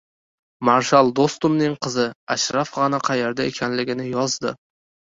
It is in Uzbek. Marshal Do‘stumning qizi Ashraf G‘ani qayerda ekanligini yozdi